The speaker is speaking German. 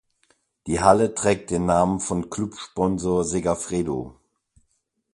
Die Halle trägt den Namen von Clubsponsor Segafredo.